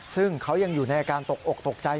ซึ่งเขายังอยู่ในอาการตกอกตกใจ